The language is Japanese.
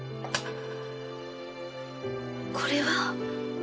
これは？